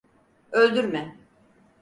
Öldürme.